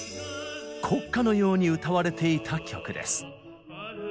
国歌のように歌われていた曲です。